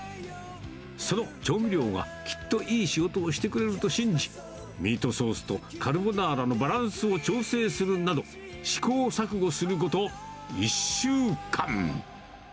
その調味料は、きっといい仕事をしてくれると信じ、ミートソースとカルボナーラのバランスを調整するなど、試行錯誤すること１週間。